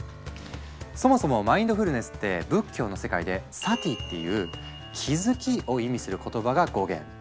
そもそも「マインドフルネス」って仏教の世界で「Ｓａｔｉ」っていう「気づき」を意味する言葉が語源。